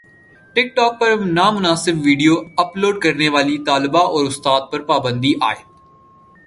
ٹک talk پر نامناسب video upload کرنے والی طالبہ اور استاد پر پابندی عائد